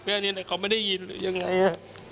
เพราะฉะนั้นเขาไม่ได้ยินหรือยังไงอ่ะ